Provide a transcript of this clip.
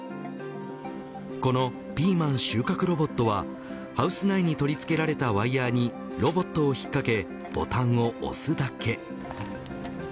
このピーマン収穫ロボットはハウス内に取り付けられたワイヤーにロボットを引っ掛けボタンを押すだけ。